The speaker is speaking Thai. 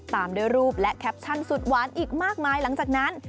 ตามด้วยรูปและแคปชั่นสุดหวานอีกมากมายหลังจากนั้น